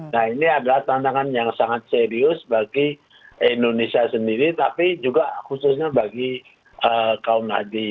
nah ini adalah tantangan yang sangat serius bagi indonesia sendiri tapi juga khususnya bagi kaum nadi